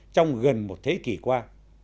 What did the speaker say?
trong gần một thế kỷ qua